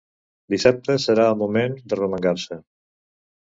Dissabte serà el moment d’arromangar-se.